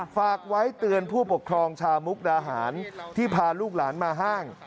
ฝากไว้เตือนผู้ปกครองชาวมุกดาหารที่พาลูกหลานมาห้าง